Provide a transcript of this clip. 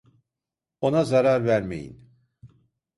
Ona zarar vermeyin!